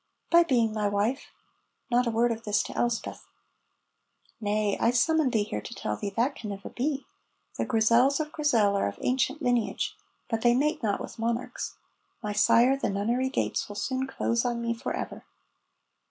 "By being my wife. (Not a word of this to Elspeth.)" "Nay, I summoned thee here to tell thee that can never be. The Grizels of Grizel are of ancient lineage, but they mate not with monarchs. My sire, the nunnery gates will soon close on me forever."